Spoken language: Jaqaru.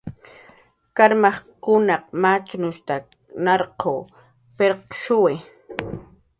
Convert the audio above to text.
Karmajkunaq machnushtak narquw pirqshuwi